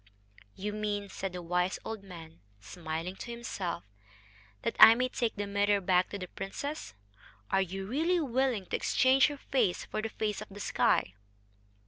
"You mean," said the wise old man, smiling to himself, "that I may take the mirror back to the princess.... Are you really willing to exchange her face for the face of the sky?"